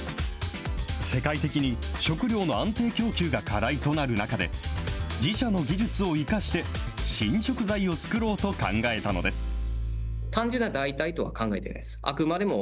世界的に食料の安定供給が課題となる中で、自社の技術を生かして、新食材を作ろうと考えたのです。